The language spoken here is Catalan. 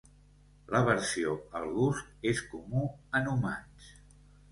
L'aversió al gust és comú en humans.